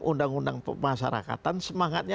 undang undang pemasarakatan semangatnya